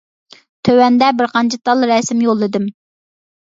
تۆۋەندە بىر قانچە تال رەسىم يوللىدىم.